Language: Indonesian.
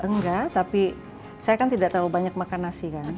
enggak tapi saya kan tidak terlalu banyak makan nasi kan